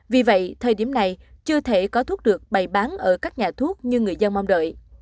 vì vậy thời điểm này chưa thể có thuốc được bày bán ở các nhà thuốc như người dân mong đợi